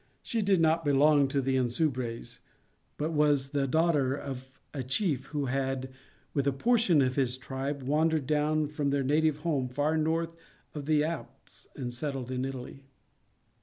She did not belong to the Insubres, but was the daughter of a chief who had, with a portion of his tribe, wandered down from their native home far north of the Alps and settled in Italy.